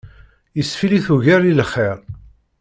Yesfillit ugar i lxir.